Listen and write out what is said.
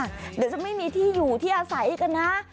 เดี๋ยวจะไม่มีที่อยู่ที่อาศัยกันนะ